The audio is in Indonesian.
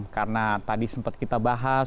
karena tadi sempat kita bahas